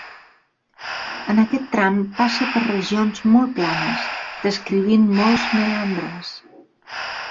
En aquest tram passa per regions molt planes, descrivint molts meandres.